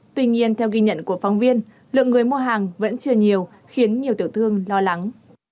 tuy nhiên theo ghi nhận của phóng viên lượng người mua hàng vẫn chưa nhiều khiến nhiều tiểu thương lo lắng